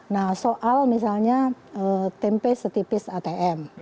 nah soal misalnya tempe setipis atm